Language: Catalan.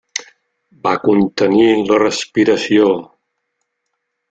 Va contenir la respiració.